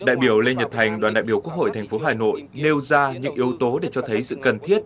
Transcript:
đại biểu lê nhật thành đoàn đại biểu quốc hội tp hà nội nêu ra những yếu tố để cho thấy sự cần thiết